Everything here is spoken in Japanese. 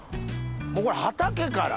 もうこれ畑から。